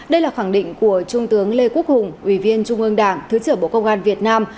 đây là khẳng định của trung tướng lê quốc hùng ủy viên trung ương đảng thứ trưởng bộ công an việt nam